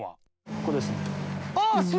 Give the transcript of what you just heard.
ここですね。